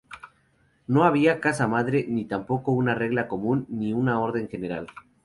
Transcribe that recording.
No había casa-madre, ni tampoco una regla común, ni una orden general.